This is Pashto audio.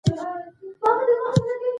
ژور نظر ښيي چې دا کوچنۍ سیارې دي.